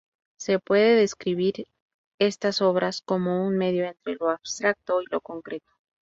Se puede describir estas obras como un medio entre lo abstracto y lo concreto.